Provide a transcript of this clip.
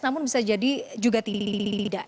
namun bisa jadi juga tidak